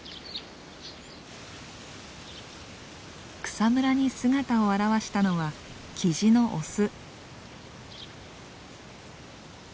草むらに姿を現したのはキジのオス。